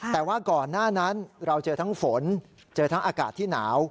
แต่ว่าก่อนหน้านั้นเราเจอทั้งฝนเจอทั้งอากาศที่หนาว